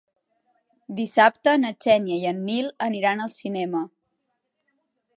Dissabte na Xènia i en Nil aniran al cinema.